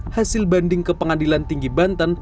hasil banding ke pengadilan tinggi banten